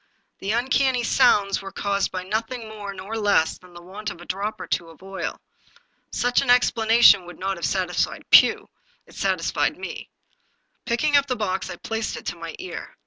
The uncanny sounds were caused by nothing more nor less than the want of a drop or two of oil. Such an explanation would not have satisfied Pugh, it satis fied me. Picking up the box, I placed it to my ear.